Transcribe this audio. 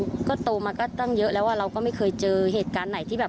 มันก็โตมาก็ตั้งเยอะแล้วเราก็ไม่เคยเจอเหตุการณ์ไหนที่แบบ